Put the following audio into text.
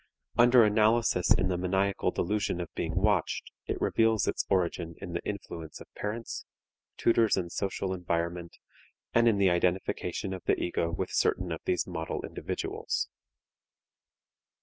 Under analysis in the maniacal delusion of being watched it reveals its origin in the influence of parents, tutors and social environment and in the identification of the ego with certain of these model individuals.